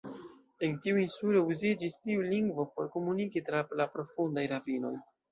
En tiu insulo uziĝis tiu lingvo por komuniki tra la profundaj ravinoj.